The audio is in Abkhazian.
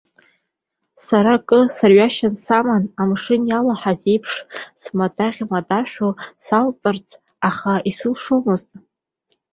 Сара акы сырҩашьны саман, амшын иалаҳаз иеиԥш смадаӷьмадашәон салҵырц, аха исылшомызт.